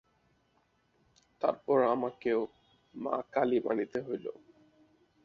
তারপর আমাকেও মা-কালী মানিতে হইল।